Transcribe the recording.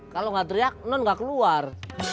kalau nggak teriak non nggak keluar